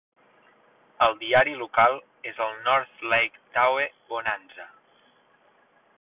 El diari local és el "North Lake Tahoe Bonanza".